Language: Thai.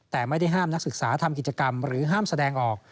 แต่ไม่ได้ห้ามนักศึกษาทำกิจกรรมหรือห้ามแสดงออก